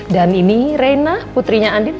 dan ini reina putrinya andin